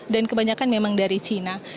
dan kebanyakan memang dari china